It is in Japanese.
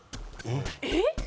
えっ！